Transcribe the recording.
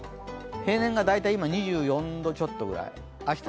平年が大体今２４度ちょっとぐらい明日